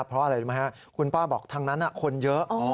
เพราะอะไรรู้ไหมครับคุณป้าบอกทางนั้นคนเยอะ